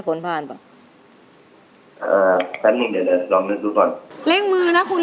เดี๋ยวในเนื้อมันเขียวด่อน